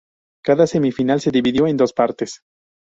Cada semifinal se dividió en dos partes.